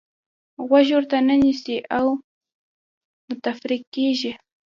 غوږ ورته نه نیسئ او متفرق کېږئ.